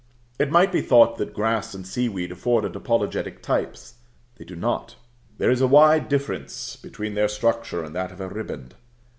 It might be thought that grass and sea weed afforded apologetic types. They do not. There is a wide difference between their structure and that of a riband.